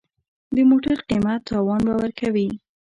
د موټر قیمت تاوان به ورکوې.